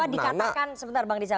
bahwa dikatakan sebentar bang riza